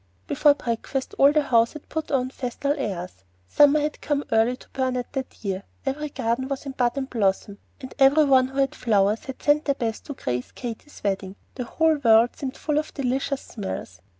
Before breakfast all the house had put on festal airs. Summer had come early to Burnet that year; every garden was in bud and blossom, and every one who had flowers had sent their best to grace Katy's wedding. The whole world seemed full of delicious smells.